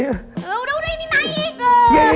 udah udah ini naik